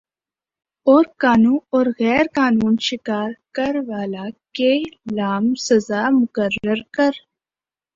اورقانو اور غیر قانون شکار کر والہ کے ل سزا مقرر کر